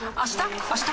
あした？